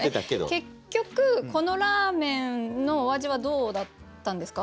結局このラーメンのお味はどうだったんですか？